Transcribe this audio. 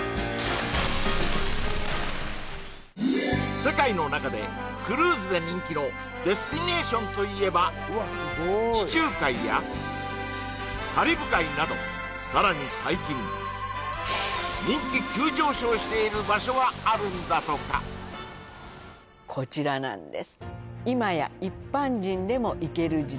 世界の中でクルーズで人気のデスティネーションといえば地中海やカリブ海などさらに最近あるんだとかこちらなんです